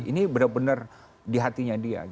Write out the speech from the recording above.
ini benar benar di hatinya dia